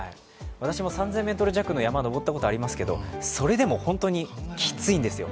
私も３０００ｍ弱の山を登ったことあるんですけど、それでも本当にきついんですよ。